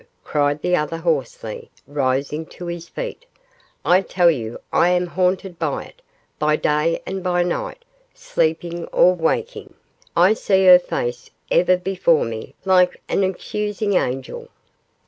cried the other, hoarsely, rising to his feet; 'I tell you I am haunted by it; by day and by night, sleeping or waking, I see her face ever before me like an accusing angel.